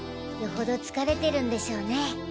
よほど疲れてるんでしょうね。